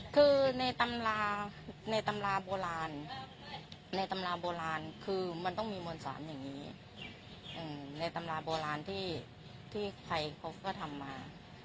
คือในตำราในตำราโบราณในตำราโบราณคือมันต้องมีมวลสารอย่างนี้ในตำราโบราณที่ใครเขาก็ทำมา